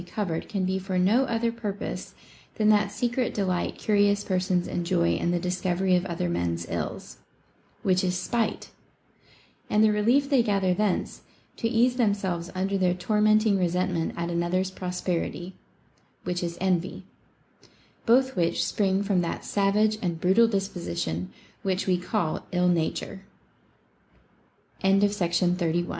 433 covered can be for no other purpose than that secret de light curious persons enjoy in the discovery of other men's ills, — which is spite, — and the relief they gather thence, to ease themselves under their tormenting resentment at another's prosperity, — which is envy ;— both which spring from that savage and brutal disposition which we c